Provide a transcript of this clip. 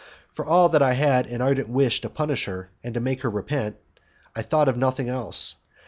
For all that I had an ardent wish to punish her and to make her repent. I thought of nothing else.